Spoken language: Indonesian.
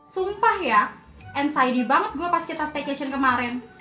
sumpah ya ansid banget gue pas kita staycation kemarin